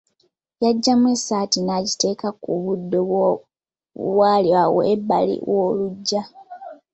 Yaggyamu essaati n'agiteeka ku buddo obwali awo ebbali w’oluggya.